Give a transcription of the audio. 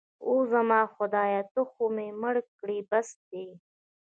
اوه، زما خدایه ته خو مې مړ کړې. بس يې ده.